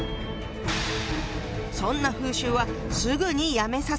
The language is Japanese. そんな風習はすぐにやめさせなきゃ！